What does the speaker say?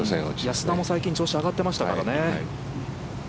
安田も最近調子が上がってましたからね。